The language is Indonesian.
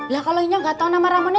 lah kalau inyok gak tau nama ramuannya